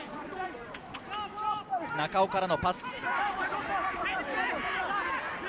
中尾からのパス。